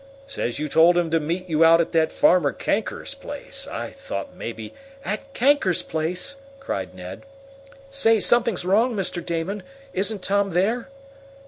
Says you told him to meet you out at that farmer Kanker's place. I thought maybe " "At Kanker's place!" cried Ned. "Say, something's wrong, Mr. Damon! Isn't Tom there?"